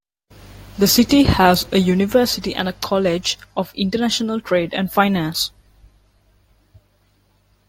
The city has a university and a College of International Trade and Finance.